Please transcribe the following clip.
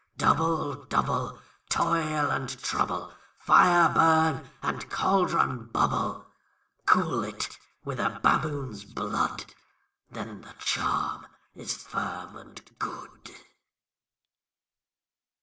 ALL. Double, double, toil and trouble; Fire, burn; and cauldron, bubble. SECOND WITCH. Cool it with a baboon's blood. Then the charm is firm and good.